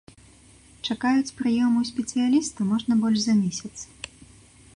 Чакаюць прыёму ў спецыяліста можна больш за месяц.